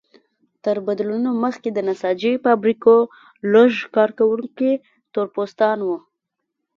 تر بدلونونو مخکې د نساجۍ فابریکو لږ کارکوونکي تور پوستان وو.